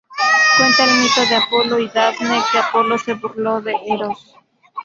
Cuenta el mito de Apolo y Dafne que Apolo se burló de Eros.